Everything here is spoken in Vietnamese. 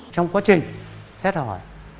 trong quá trình xét hỏi